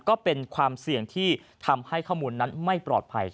ก็เป็นความเสี่ยงที่ทำให้ข้อมูลนั้นไม่ปลอดภัย